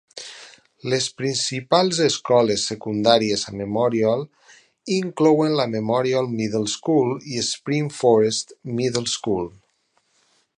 Les principals escoles secundàries a Memorial inclouen la Memorial Middle School i Spring Forest Middle School.